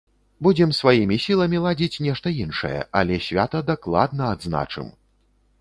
Будзем сваімі сіламі ладзіць нешта іншае, але свята дакладна адзначым!